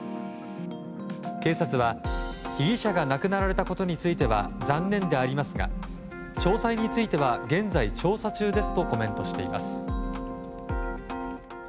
警察は、被疑者が亡くなられたことについては残念でありますが詳細については現在調査中ですとコメントしています。